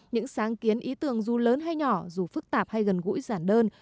những sáng kiến ý tưởng dù lớn hay nhỏ dù phức tạp hay gần gũi giản đơn